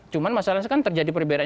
cuma masalah kan terjadi perbedaan